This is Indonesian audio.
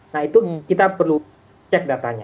nah itu kita perlu cek datanya